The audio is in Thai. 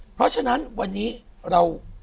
เพราะฉะนั้นวันนี้เรา